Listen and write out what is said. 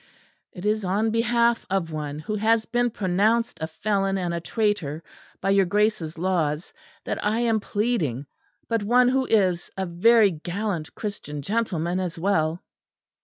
"It is on behalf of one who has been pronounced a felon and a traitor by your Grace's laws, that I am pleading; but one who is a very gallant Christian gentleman as well."